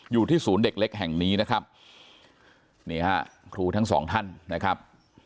อยู่ที่ศูนย์เด็กเล็กแห่งนี้นะครับนี่ฮะครูทั้งสองท่านนะครับ